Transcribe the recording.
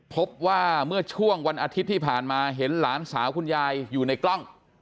พบว่าเมื่อช่วงวันอาทิตย์ที่ผ่านมาเห็นหลานสาวคุณยายอยู่ในกล้อง